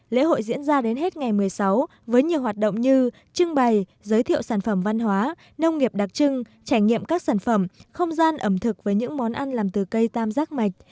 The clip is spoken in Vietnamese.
lễ hội diễn ra đến hết ngày một mươi sáu với nhiều hoạt động như trưng bày giới thiệu sản phẩm văn hóa nông nghiệp đặc trưng trải nghiệm các sản phẩm không gian ẩm thực với những món ăn làm từ cây tam giác mạch